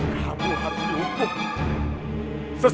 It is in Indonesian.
sampai k siswelcome